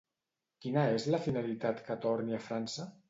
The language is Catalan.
Quina és la finalitat que torni a França?